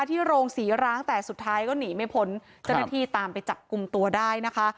ที่โรงศรีร้างแต่สุดท้ายก็หนีไม่พ้นเจ้าหน้าที่ตามไปจับกลุ่มตัวได้นะคะ